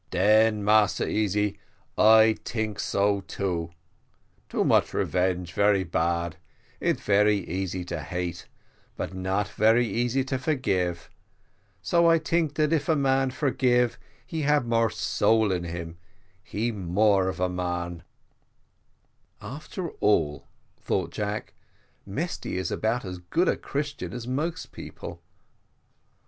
"Then, Massa Easy, I tink so too too much revenge very bad it very easy to hate, but not very easy to forgive so I tink that if a man forgive he hab more soul in him, he more of a man." "After all," thought Jack, "Mesty is about as good a Christian as most people."